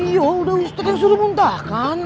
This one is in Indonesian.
iya udah ustadz yang suruh muntah kan